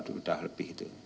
sudah lebih itu